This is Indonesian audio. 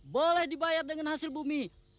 boleh dibayar dengan hasil bumi